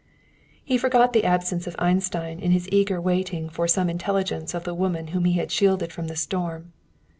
He forgot the absence of Einstein in his eager waiting for some intelligence of the woman whom he had shielded from the storm.